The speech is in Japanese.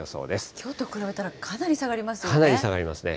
きょうと比べたらかなり下がりますね。